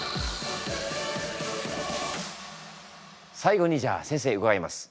最後にじゃあ先生にうかがいます。